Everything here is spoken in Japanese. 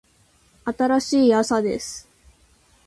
新しい朝です。